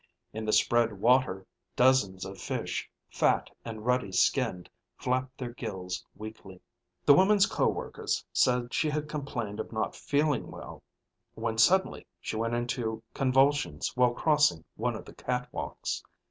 In the spread water, dozens of fish, fat and ruddy skinned, flapped their gills weakly. The woman's co workers said she had complained of not feeling well, when suddenly she went into convulsions while crossing one of the catwalks.